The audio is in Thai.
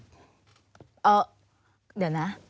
เดี๋ยวนะ